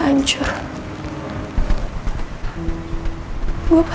anjay baik anjay